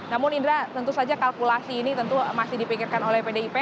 namun indra tentu saja kalkulasi ini tentu masih dipikirkan oleh pdip